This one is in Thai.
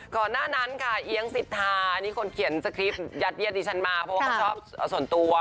ก่อนหน้านั้นค่ะเอี๊ยงสิทธาอันนี้คนเขียนสคริปตยัดเยียดดิฉันมาเพราะว่าเขาชอบส่วนตัว